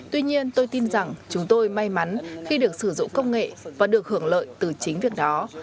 tuy nhiên tôi tin rằng chúng tôi may mắn khi được sử dụng công nghệ và được hưởng lợi từ chính việc đó